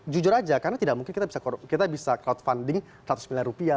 jujur aja karena tidak mungkin kita bisa crowdfunding ratus miliar rupiah